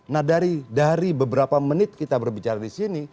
nah dari beberapa menit kita berbicara di sini